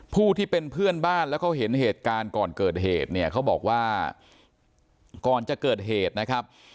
ผู้ที่เป็นเพื่อนบ้านแล้วเขาเห็นเหตุการณ์ก่อนเกิดเหตุเนี่ยเขาบอกว่าก่อนจะเกิดเหตุนะครับ